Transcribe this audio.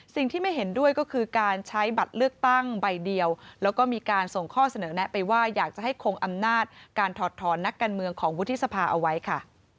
สิ่งที่ไม่เห็นด้วยก็คือการใช้บัตรเลือกตั้งใบเดียวแล้วก็มีการส่งข้อเสนอแนะไปว่าอยากจะให้คงอำนาจการถอดถอนนักการเมืองของวุฒิสภาเอาไว้ค่ะ